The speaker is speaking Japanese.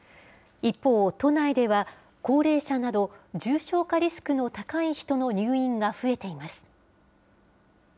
一方、都内では高齢者など、重症化リスクの高い人の入院が増えています。